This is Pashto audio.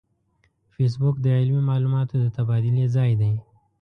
فېسبوک د علمي معلوماتو د تبادلې ځای دی